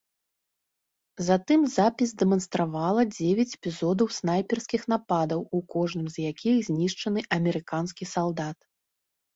Затым запіс дэманстравала дзевяць эпізодаў снайперскіх нападаў, у кожным з якіх знішчаны амерыканскі салдат.